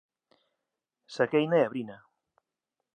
Saqueina e abrina.